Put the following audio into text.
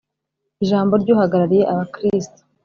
ijambo ry’uhagarariye abakristu